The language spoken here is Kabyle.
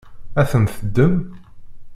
Ad ten-teddem?